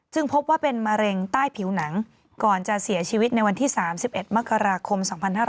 พบว่าเป็นมะเร็งใต้ผิวหนังก่อนจะเสียชีวิตในวันที่๓๑มกราคม๒๕๕๙